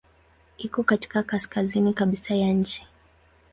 Iko katika kaskazini kabisa ya nchi.